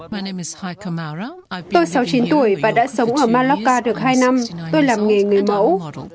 tôi sáu mươi chín tuổi và đã sống ở malafka được hai năm tôi làm nghề người mẫu